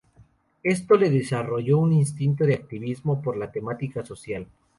Esto le desarrolló un instinto de activismo por la temática social.